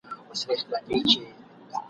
چي پر هرقدم د خدای شکر کومه !.